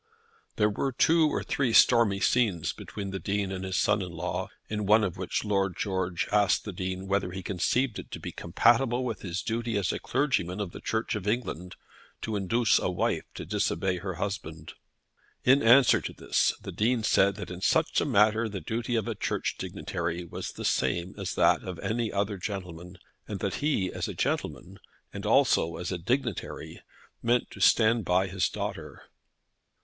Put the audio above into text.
There were two or three stormy scenes between the Dean and his son in law, in one of which Lord George asked the Dean whether he conceived it to be compatible with his duty as a clergyman of the Church of England to induce a wife to disobey her husband. In answer to this, the Dean said that in such a matter the duty of a Church dignitary was the same as that of any other gentleman, and that he, as a gentleman, and also as a dignitary, meant to stand by his daughter.